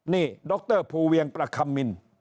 นี่ดรภูเวียงประคัมมิน